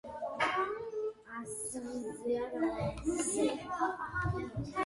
- ნეტავ, რა უნდა? -ფიქრობდა გაკვირვებული ხე.